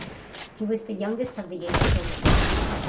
He was the youngest of the eight children.